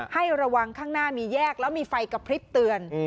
ให้ระวังข้างหน้ามีแยกแล้วมีไฟกระพริบเตือน